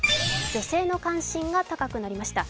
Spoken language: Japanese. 女性の関心が高くなりました。